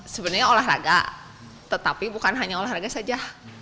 sebenarnya olahraga tetapi bukan hanya olahraga saja